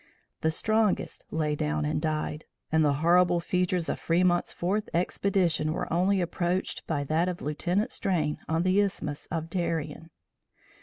The strongest lay down and died, and the horrible features of Fremont's fourth expedition were only approached by that of Lieutenant Strain on the Isthmus of Darien.